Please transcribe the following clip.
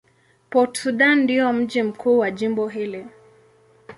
Port Sudan ndio mji mkuu wa jimbo hili.